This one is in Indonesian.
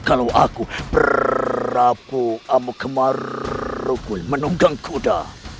kalau aku berapu amuk kemarukul menunggang kuda